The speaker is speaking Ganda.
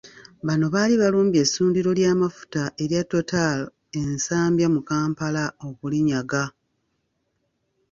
Bano baali balumbye essundiro ly'amafuta elya Total e Nsambya mu Kampala okulinyaga.